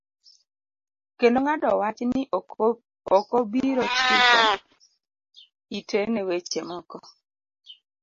Kendo ng'ado wach ni okobiro chiko ite ne weche moko.